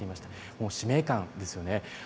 もう使命感ですよね。